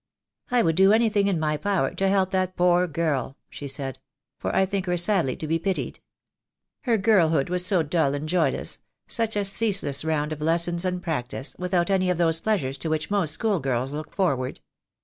"I would do anything in my power to help that poor girl," she said; "for I think her sadly to be pitied. Her girlhood was so dull and joyless — such a ceaseless round of lessons and practice, without any of those pleasures to which most school girls look forward.